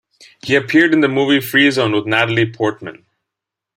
He appeared in the movie "Free Zone" with Natalie Portman.